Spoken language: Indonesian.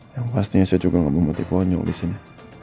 yang pastinya saya juga gak mau mati konyol disini